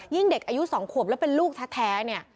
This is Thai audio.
เด็กอายุ๒ขวบแล้วเป็นลูกแท้เนี่ย